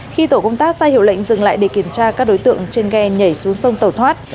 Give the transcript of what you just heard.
khi tổ công tác sai hiểu lệnh dừng lại để kiểm tra các đối tượng trên ghe nhảy xuống sông tẩu thoát